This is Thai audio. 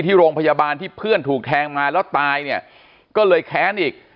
ที่โรงพยาบาลที่เพื่อนถูกแทงมาแล้วตายเนี่ยก็เลยแค้นอีก